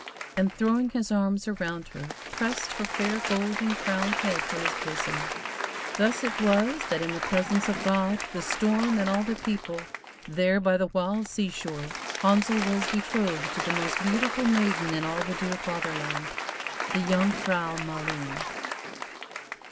and, throwing his arms around her, pressed her fair golden crowned head to his bosom. Thus it was, that in the presence of God, the storm, and all the people—there by the the wild sea shore, Handsel was betrothed to the most beautiful maiden in all the dear Fatherland,—The Jung frau Maleen.